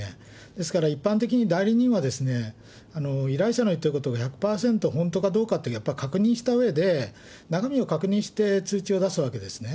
ですから一般的に代理人は、依頼者の言ってることを１００％、本当かどうかってやっぱり確認したうえで、中身を確認して通知を出すわけですね。